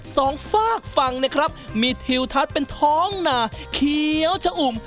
สองฝากฝั่งนะครับมีทิวทัศน์เป็นท้องหนาเขียวชะอุ่ม